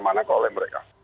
ke mana ke oleh mereka